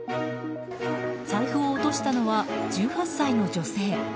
財布を落としたのは１８歳の女性。